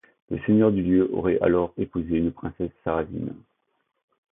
Le seigneur du lieu aurait alors épousé une princesse Sarrazine.